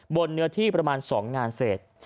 เนื้อที่ประมาณ๒งานเศษ